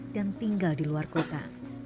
dan tinggal di luar kota